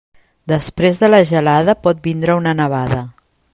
Després de la gelada pot vindre una nevada.